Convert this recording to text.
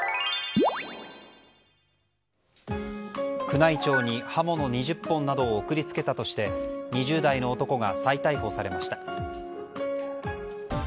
宮内庁に刃物２０本などを送り付けたとして２０代の男が再逮捕されました。